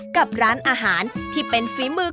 กับร้านอาหารที่เป็นฝีมือ